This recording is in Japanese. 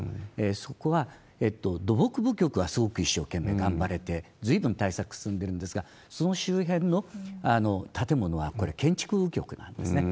そこは土木部局はすごく一生懸命頑張られて、ずいぶん対策進んでるんですが、その周辺の建物は、これ、建築局なんですね。